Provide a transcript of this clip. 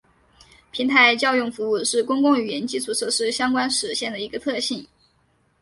平台叫用服务是公共语言基础设施相关实现的一个特性。